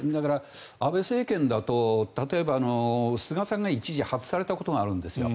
安倍政権だと菅さんが一時、外されたことがあるんですよ。